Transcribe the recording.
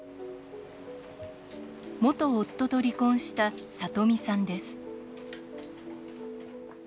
元夫と離婚したさとみさんです。